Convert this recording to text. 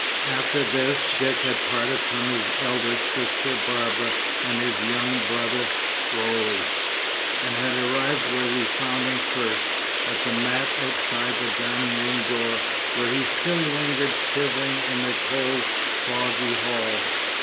After this Dick had parted from his elder sister Barbara and his young brother Roly, and had arrived where we found him first, at the mat outside the dining room door, where he still lingered shivering in the cold foggy hall.